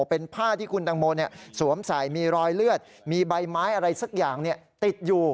เป็นผ้าที่คุณตังโมสวมใส่มีรอยเลือดมีใบไม้อะไรสักอย่างติดอยู่